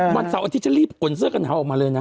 วันเสาร์อาทิตยจะรีบขนเสื้อกันหนาวออกมาเลยนะ